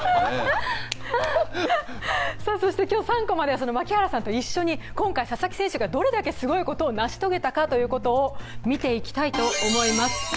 「３コマ」では槙原さんと一緒に、今回佐々木選手がどれだけすごいことを成し遂げたかを見ていきたいと思います。